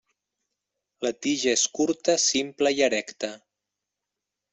La tija és curta simple i erecta.